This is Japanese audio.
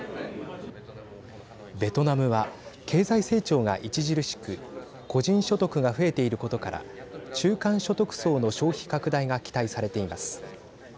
ベトナムは経済成長が著しく個人所得が増えていることから中間所得層の消費拡大が期待されています。